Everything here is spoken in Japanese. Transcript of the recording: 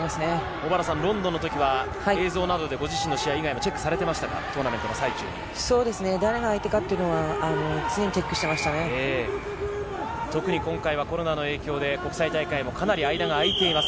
小原さん、ロンドンの時は自分の試合以外はチェックしていましたが、誰が相手かっていうのは常に特に今回はコロナの影響で国際大会もかなり間があいています。